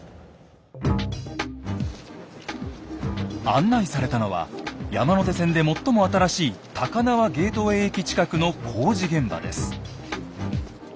案内されたのは山手線で最も新しい高輪ゲートウェイ駅近くの工事現場です。